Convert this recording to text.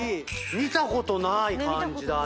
見たことない感じだね。